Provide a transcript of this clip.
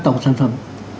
tổng sản phẩm